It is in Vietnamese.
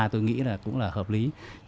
tôi nghĩ cũng là hợp lý